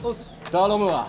頼むわ。